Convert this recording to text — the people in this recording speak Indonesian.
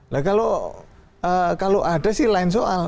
nah kalau ada sih lain soal